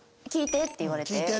「聴いて」って言われて？